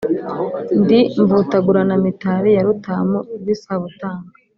Ndi Mvutaguranamitali ya Rutamu rw’isabutanga,